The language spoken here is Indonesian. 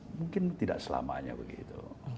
mungkin tidak selamanya begitu